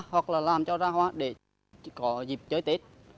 hoặc là làm cho ra hoa để có dịp chơi tết